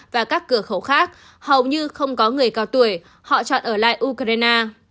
và các cửa khẩu khác hầu như không có người cao tuổi họ chọn ở lại ukraine